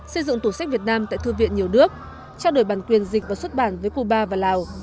xây dựng tủ sách việt nam tại thư viện nhiều nước trao đổi bản quyền dịch và xuất bản với cuba và lào